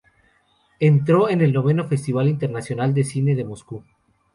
Entró en el Noveno Festival Internacional de Cine de Moscú.